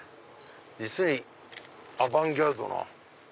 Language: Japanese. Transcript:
実にアバンギャルドな。